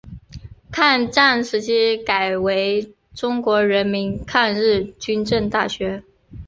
抗战时期改为中国人民抗日军政大学。